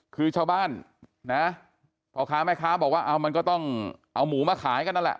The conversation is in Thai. คือชาวบ้านนะพ่อค้าแม่ค้าบอกว่าเอามันก็ต้องเอาหมูมาขายกันนั่นแหละ